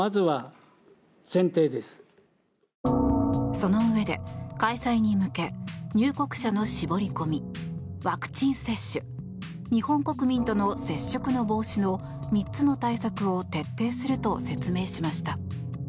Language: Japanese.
そのうえで、開催に向け入国者の絞り込みワクチン接種日本国民との接触の防止の３つの対策を徹底すると説明しました。